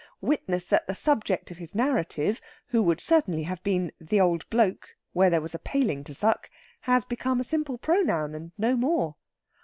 Witness that the subject of his narrative, who would certainly have been the old bloke where there was a paling to suck, has become a simple pronoun, and no more!